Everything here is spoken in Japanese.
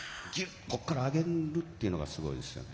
てここから上げるのがすごいですよね。